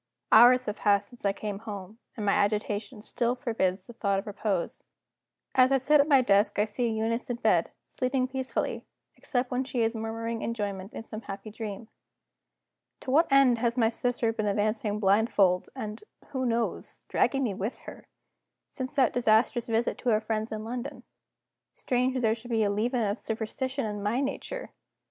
Hours have passed since I came home and my agitation still forbids the thought of repose. As I sit at my desk I see Eunice in bed, sleeping peacefully, except when she is murmuring enjoyment in some happy dream. To what end has my sister been advancing blindfold, and (who knows?) dragging me with her, since that disastrous visit to our friends in London? Strange that there should be a leaven of superstition in my nature!